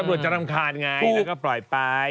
มันจะรำคาญไงแล้วก็ปล่อยไป